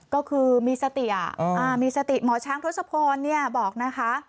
ก็คือมีสติมชทศพบอกนะคะ